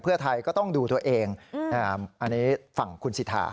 เพื่อไทยก็ต้องดูตัวเองอันนี้ฝั่งคุณสิทธา